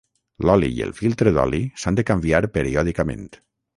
L'oli i el filtre d'oli s'han de canviar periòdicament.